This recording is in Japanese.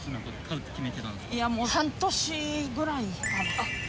いやもう半年ぐらい前から。